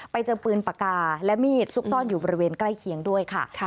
ไปเจอปืนปากกาและมีดซุกซ่อนอยู่บริเวณใกล้เคียงด้วยค่ะ